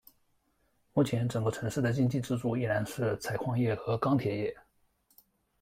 目前整个城市的经济支柱依然是采矿业和钢铁业。